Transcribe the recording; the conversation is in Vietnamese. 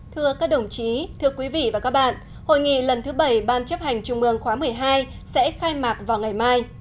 thưa các đồng chí thưa quý vị và các bạn hội nghị lần thứ bảy ban chấp hành trung ương khóa một mươi hai sẽ khai mạc vào ngày mai